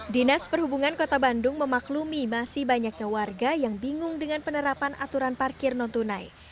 dinas perhubungan kota bandung memaklumi masih banyaknya warga yang bingung dengan penerapan aturan parkir non tunai